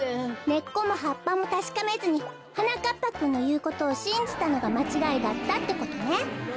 根っこも葉っぱもたしかめずにはなかっぱくんのいうことをしんじたのがまちがいだったってことね。